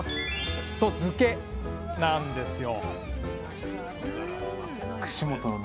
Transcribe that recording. そう漬けなんですよ！